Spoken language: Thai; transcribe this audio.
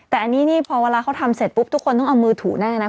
แต่อันนี้นี่พอเวลาเขาทำเสร็จปุ๊บทุกคนต้องเอามือถูแน่นะ